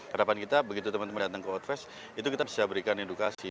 harapan kita begitu teman teman datang ke outfest itu kita bisa berikan edukasi